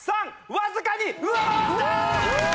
わずかに上回った！